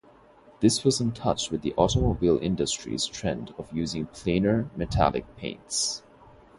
This was in touch with the automobile industry's trend of using plainer, metallic paints.